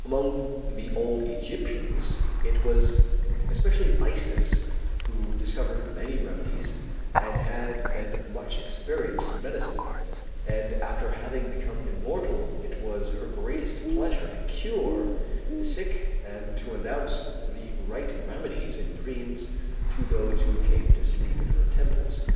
Among the old Egyptians, it was especially Isis who discovered many remedies and had been much experienced in medicine, and after having become immortal, it was her greatest pleasure to cure the sick and to announce the right remedies in dreams to those who came to sleep in her temples.